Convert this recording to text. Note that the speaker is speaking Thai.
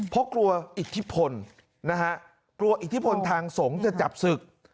เพราะกลัวอิทธิพลนะฮะกลัวอิทธิพลทางสงฆ์จะจับศึก